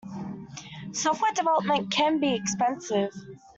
Software development can be expensive.